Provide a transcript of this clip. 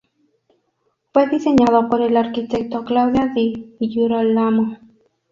Fue diseñado por el arquitecto Claudio di Girolamo.